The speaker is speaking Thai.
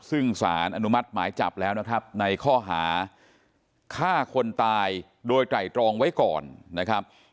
ซึ่งสารอนุมัติหมายจับแล้วนะครับในข้อหาฆ่าคนตายโดยไตรตรองไว้ก่อนนะครับ